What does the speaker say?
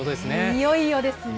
いよいよですね。